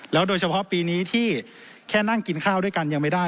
โดยเฉพาะปีนี้ที่แค่นั่งกินข้าวด้วยกันยังไม่ได้